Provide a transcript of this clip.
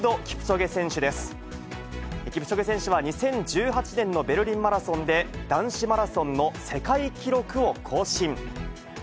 キプチョゲ選手は、２０１８年のベルリンマラソンで男子マラソンの世界記録を更新。